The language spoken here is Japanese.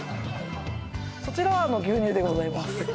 そちらは牛乳でございます